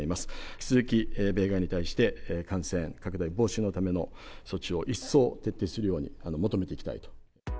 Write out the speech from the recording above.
引き続き米側に対して、感染拡大防止のための措置を一層徹底するように求めていきたいと。